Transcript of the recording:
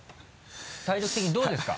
体力的にどうですか？